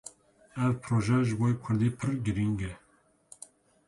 Ev proje ji bo Kurdî pir giring e.